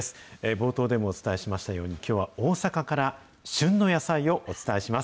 冒頭でもお伝えしましたように、きょうは大阪から旬の野菜をお伝えします。